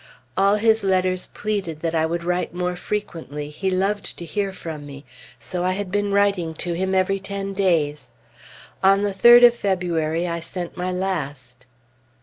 All his letters pleaded that I would write more frequently he loved to hear from me; so I had been writing to him every ten days. On the 3d of February I sent my last.